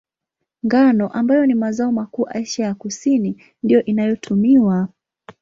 Ngano, ambayo ni mazao makuu Asia ya Kusini, ndiyo inayotumiwa.